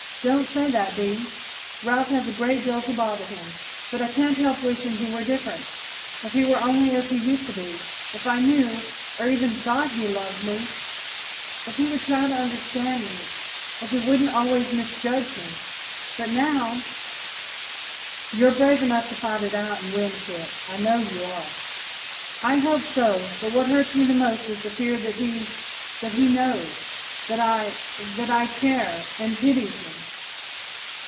"Don't say that, Bee! Ralph has a great deal to bother him, but I can't help wishing he were different. If he were only as he used to be! If I knew, or even thought he loved me if he would try to understand me if he wouldn't always misjudge me but now " "You're brave enough to fight it out and win, Kit I know you are!" "I hope so; but what hurts me most is the fear that he that he knows that I that I care and pities me!"